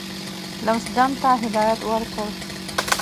لمسډن ته هدایت ورکړ.